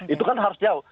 itu kan harus jauh